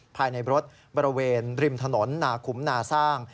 ภายในรถบริเวณริมถนนนาขุมนาสร้าง